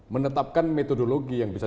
menetapkan metodologi yang bisa